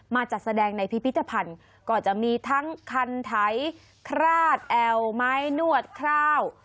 จัดแสดงในพิพิธภัณฑ์ก็จะมีทั้งคันไถคราดแอลไม้นวดข้าว